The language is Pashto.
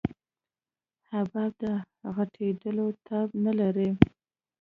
حباب د غټېدو تاب نه لري.